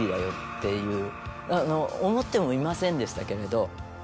思ってもいませんでしたけれど。